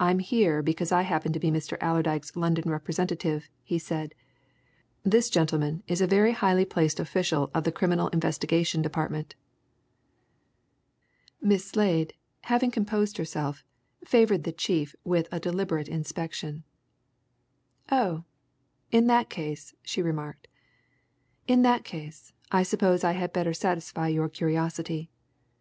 "I'm here because I happen to be Mr. Allerdyke's London representative," he said. "This gentleman is a very highly placed official of the Criminal Investigation Department." Miss Slade, having composed herself, favoured the chief with a deliberate inspection. "Oh! in that case," she remarked, "in that case, I suppose I had better satisfy your curiosity.